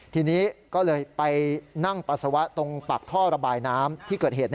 ทีนี้ก็เลยไปนั่งปัสสาวะตรงปากท่อระบายน้ำที่เกิดเหตุ